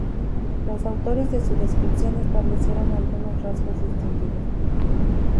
Los autores de su descripción establecieron algunos rasgos distintivos.